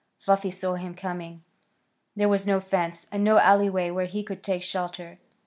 Fluffy saw him coming. There was no fence, and no alleyway where he could take shelter.